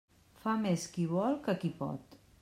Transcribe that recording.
Fa més qui vol que qui pot.